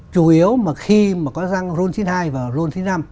chủ yếu mà khi mà có xăng ron chín mươi hai và ron chín mươi năm